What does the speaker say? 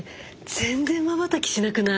全然まばたきしなくない？